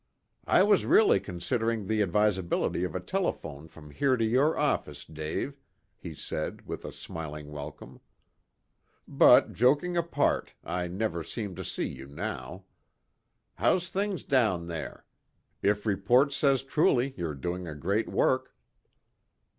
"I was really considering the advisability of a telephone from here to your office, Dave," he said, with a smiling welcome. "But joking apart, I never seem to see you now. How's things down there? If report says truly, you're doing a great work."